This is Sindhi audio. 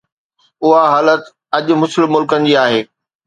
اها حالت اڄ مسلم ملڪن جي آهي